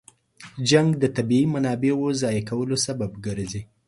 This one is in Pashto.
جنګ د طبیعي منابعو ضایع کولو سبب ګرځي.